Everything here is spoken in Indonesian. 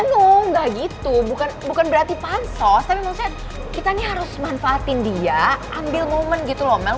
aduh nggak gitu bukan berarti pansos tapi maksudnya kita nih harus manfaatin dia ambil momen gitu loh mel